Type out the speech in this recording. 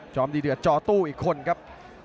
ดีเดือดจอตู้อีกคนครับ